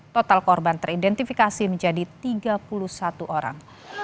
total korban teridentifikasi menjadi tiga puluh satu orang